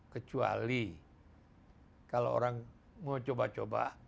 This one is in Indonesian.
kecuali kalau orang mau coba coba